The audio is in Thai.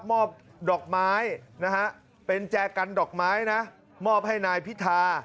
มอบดอกไม้นะฮะเป็นแจกันดอกไม้นะมอบให้นายพิธา